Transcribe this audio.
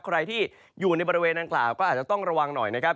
ใครที่อยู่ในบริเวณนางกล่าวก็อาจจะต้องระวังหน่อยนะครับ